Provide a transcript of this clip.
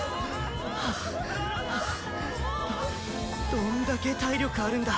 どんだけ体力あるんだ